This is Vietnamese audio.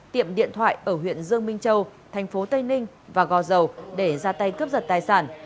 tiệm điện thoại ở huyện dương minh châu thành phố tây ninh và gò dầu để ra tay cướp giật tài sản